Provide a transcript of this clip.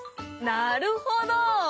なるほど！